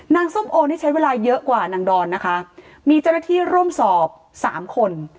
ส้มโอนี่ใช้เวลาเยอะกว่านางดอนนะคะมีเจ้าหน้าที่ร่วมสอบสามคน